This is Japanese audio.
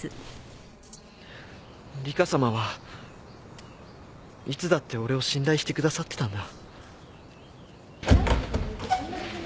リカさまはいつだって俺を信頼してくださってたんだ。